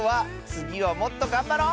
つぎはもっとがんばる！